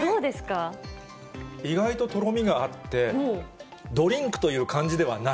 意外ととろみがあって、ドリンクという感じではない。